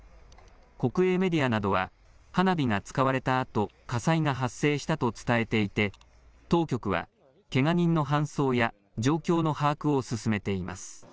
国営メディアなどは花火が使われたあと火災が発生したと伝えていて当局はけが人の搬送や状況の把握を進めています。